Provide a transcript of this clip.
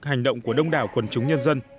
hành động của đông đảo quần chúng nhân dân